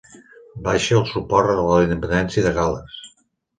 Baixa el suport a la independència de Gal·les